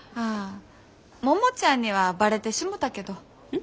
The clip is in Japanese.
あ桃ちゃんにはバレてしもたけど。